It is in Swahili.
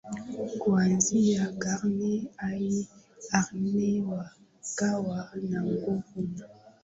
Kuanzia karne hadi karne wakawa na nguvu na